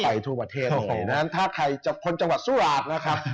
เราไปทั่วประเทศเลยถ้าใครจะพ้นจังหวัดสุราชน์นะครับ